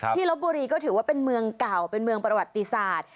ลบบุรีก็ถือว่าเป็นเมืองเก่าเป็นเมืองประวัติศาสตร์